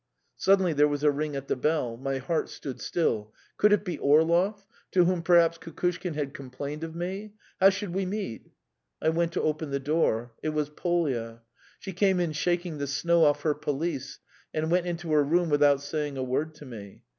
Suddenly there was a ring at the bell. My heart stood still. Could it be Orlov, to whom perhaps Kukushkin had complained of me? How should we meet? I went to open the door. It was Polya. She came in shaking the snow off her pelisse, and went into her room without saying a word to me.